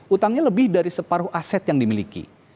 utangnya lebih dari separuh aset yang dimiliki